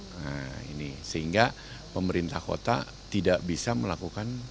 nah ini sehingga pemerintah kota tidak bisa melakukan